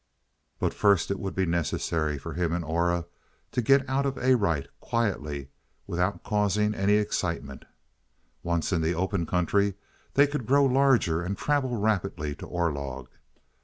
But first it would be necessary for him and Aura to get out of Arite quietly without causing any excitement. Once in the open country they could grow larger and travel rapidly to Orlog.